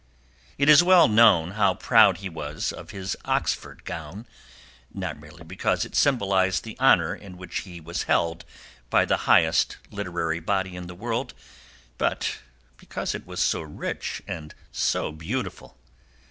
It is well known how proud he was of his Oxford gown, not merely because it symbolized the honor in which he was held by the highest literary body in the world, but because it was so rich and so beautiful.